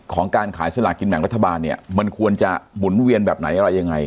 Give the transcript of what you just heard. ของการขายสลัดกินแหม่งรัฐบาลควรจะหมุนเวียนแบบไหนอะไรอย่างไร